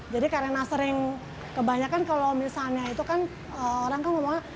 jadi karena sering kebanyakan kalau misalnya itu kan orang kan ngomongnya